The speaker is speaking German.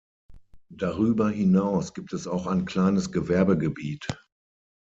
Darüber hinaus gibt es auch ein kleines Gewerbegebiet.